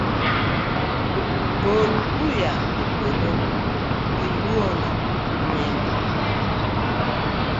golo buya e puodho i luongo nango?